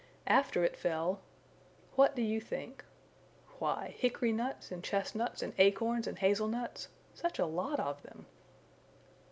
After it fell what do you think? Why, hickory nuts and chestnuts and acorns and hazel nuts, such a lot of them!